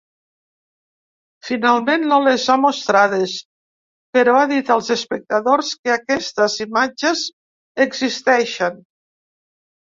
Finalment no les ha mostrades, però ha dit als espectadors que aquestes imatges existeixen.